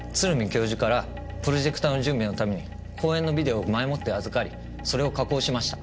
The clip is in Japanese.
教授からプロジェクターの準備のために講演のビデオを前もって預かりそれを加工しました。